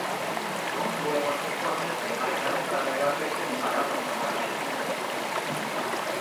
Conclúen os informes que máis da metade das veces pagamos con tarxeta.